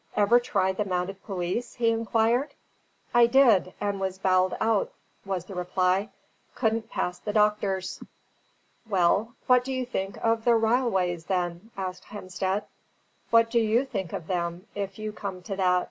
"Ever try the mounted police?" he inquired. "I did, and was bowled out," was the reply; "couldn't pass the doctors." "Well, what do you think of the ryleways, then?" asked Hemstead. "What do YOU think of them, if you come to that?"